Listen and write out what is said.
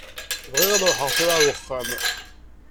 Bɣiɣ ad ruḥeɣ tura ɣer uxxam.